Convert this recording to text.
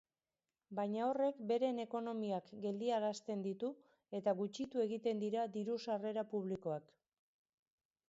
Baina horrek beren ekonomiak geldiarazten ditu eta gutxitu egiten dira diru-sarrera publikoak.